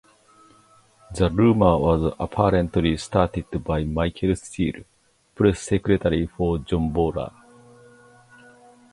The rumor was apparently started by Michael Steel, press secretary for John Boehner.